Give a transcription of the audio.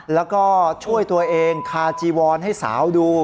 แล้วก็ช่วยตัวเองคาจีวอนให้สาวดู